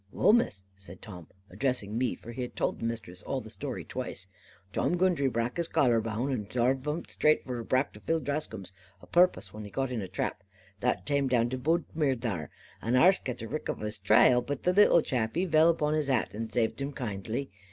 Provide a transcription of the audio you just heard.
"Wull, Miss," said Tim, addressing me, for he had told his Mistress all the story twice, "Tom Gundry brak his collar boun, and zarve 'un raight, for a brak Phil Dascombe's a puppose whun a got 'un in a trap, that taime down to Bodmin thar; and harse gat a rick of his taial; but the little chap, he vell upon his hat, and that zaved him kindly.